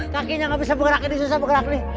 kakinya nggak bisa bergerak gini susah bergerak gini